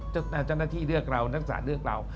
เจ้าหน้าที่เลือกเรานักศาสตเลือกเรา